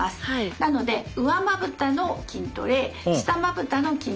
なので上まぶたの筋トレ下まぶたの筋トレ。